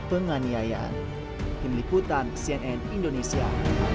penganiayaan tim liputan cnn indonesia